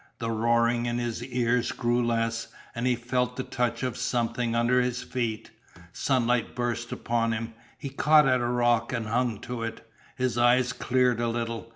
The roaring in his ears grew less, and he felt the touch of something under his feet. Sunlight burst upon him. He caught at a rock, and hung to it. His eyes cleared a little.